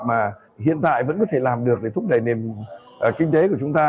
mà hiện tại vẫn có thể làm được để thúc đẩy nền kinh tế của chúng ta